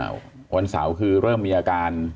วันเสาร์คือเริ่มมีอาการ